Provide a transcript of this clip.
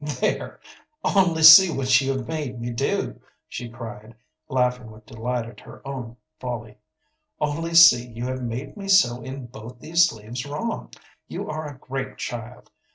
"There, only see what you have made me do!" she cried, laughing with delight at her own folly. "Only see, you have made me sew in both these sleeves wrong. You are a great child.